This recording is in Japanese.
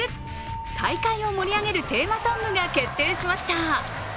大会を盛り上げるテーマソングが決定しました。